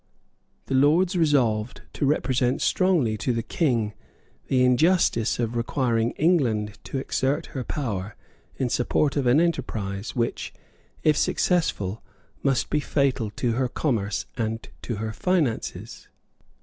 The Lords resolved to represent strongly to the King the injustice of requiring England to exert her power in support of an enterprise which, if successful, must be fatal to her commerce and to her finances.